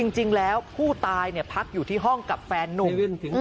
จริงแล้วผู้ตายพักอยู่ที่ห้องกับแฟนนุ่ม